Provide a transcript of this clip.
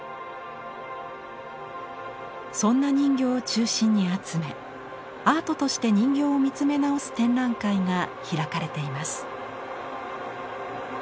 そんな人形を中心に集めアートとして人形を見つめ直す展覧会が開かれています。